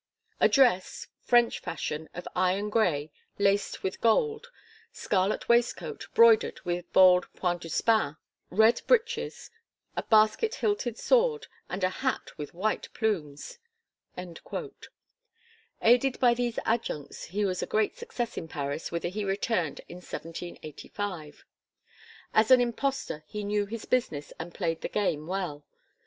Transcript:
A dress, French fashion, of iron grey, laced with gold, scarlet waistcoat broidered with bold point de spain, red breeches, a basket hilted sword and a hat with white plumes!" Aided by these adjuncts he was a great success in Paris whither he returned in 1785. As an impostor he knew his business and played "the game" well.